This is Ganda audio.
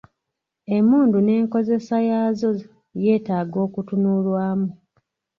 Emmundu n’enkozesa yaazo yeetaaga okutunulwamu.